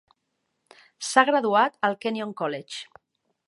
S'ha graduat al Kenyon College.